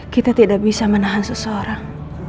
kita tidak bisa menahan seseorang